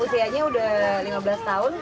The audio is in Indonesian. usianya udah lima belas tahun